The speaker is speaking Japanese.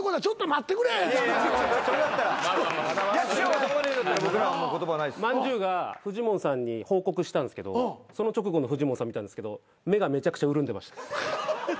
まんじゅうがフジモンさんに報告したんすけどその直後のフジモンさん見たんですけど目がめちゃくちゃ潤んでました。